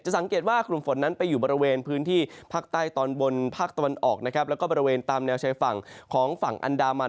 สังเกตว่ากลุ่มฝนนั้นไปอยู่บริเวณพื้นที่ภาคใต้ตอนบนภาคตะวันออกนะครับแล้วก็บริเวณตามแนวชายฝั่งของฝั่งอันดามัน